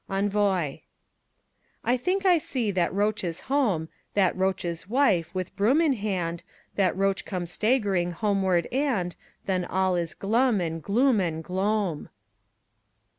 ENVOI I think I see that roach's home, That roach's wife, with broom in hand, That roach come staggering homeward and Then all is glum and gloom and gloam.